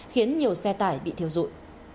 khiến nhiều xe tải bị thiêu rụi